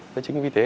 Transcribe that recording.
thế chính vì thế